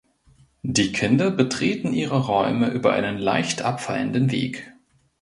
Die Kinder betreten ihre Räume über einen leicht abfallenden Weg.